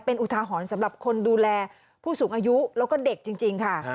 เป็นอุทาหรณ์สำหรับคนดูแลผู้สูงอายุแล้วก็เด็กจริงค่ะ